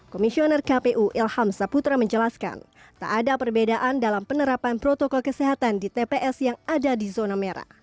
komisioner kpu ilham saputra menjelaskan tak ada perbedaan dalam penerapan protokol kesehatan di tps yang ada di zona merah